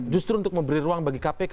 justru untuk memberi ruang bagi kpk